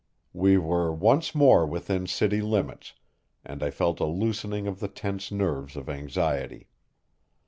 We were once more within city limits, and I felt a loosening of the tense nerves of anxiety.